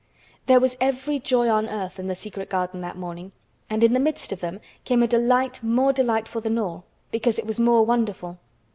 There was every joy on earth in the secret garden that morning, and in the midst of them came a delight more delightful than all, because it was more wonderful.